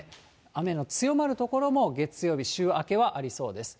雨の強まる所も、月曜日週明けはありそうです。